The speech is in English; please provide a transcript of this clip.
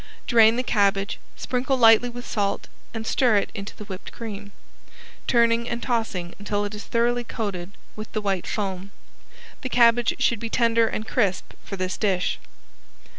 Drain the cabbage, sprinkle lightly with salt, and stir it into the whipped cream, turning and tossing until it is thoroughly coated with the white foam. The cabbage should be tender and crisp for this dish.